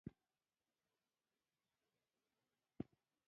کتابچه د کور کار ثبتوي